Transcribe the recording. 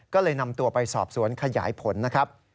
ก็เลยนำตัวไปสอบสวนขยายผลนะครับ